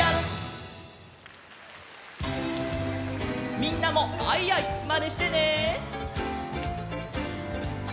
みんなもアイアイまねしてね！